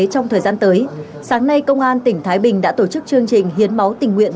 trong thời gian tới sáng nay công an tỉnh thái bình đã tổ chức chương trình hiến máu tình nguyện